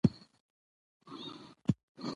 موږ باید د نورو وخت ته درناوی وکړو